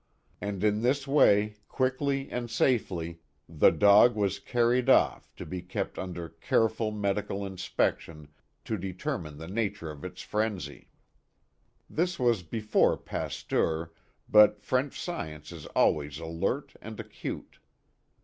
And in this way, quickly and safely, the dog was carried off to be kept under careful medi 96 A LONG HORROR. cal inspection to determine the nature of its frenzy. This was before Pasteur, but French science is always alert and acute.